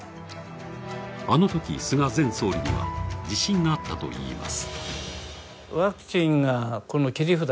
あのとき菅前総理には自信があったといいます。